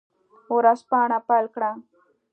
ورځپاڼه پیل کړه.